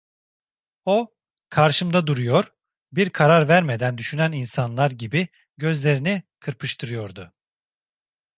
O, karşımda duruyor, bir karar vermeden düşünen insanlar gibi gözlerini kırpıştırıyordu.